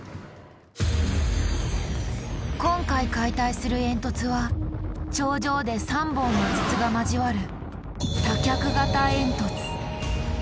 今回解体する煙突は頂上で３本の筒が交わる